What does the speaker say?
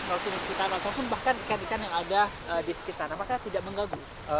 atau bahkan ikan ikan yang ada di sekitar apakah tidak mengganggu